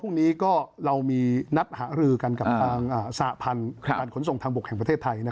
พรุ่งนี้ก็เรามีนัดหารือกันกับทางสหพันธ์การขนส่งทางบกแห่งประเทศไทย